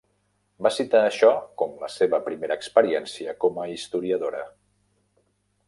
Va citar això com la seva primera experiència com a historiadora.